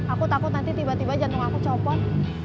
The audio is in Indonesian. aku takut nanti tiba tiba jantung aku copot